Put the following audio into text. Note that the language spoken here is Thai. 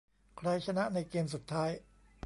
ใครชนะในเกมส์สุดท้าย ?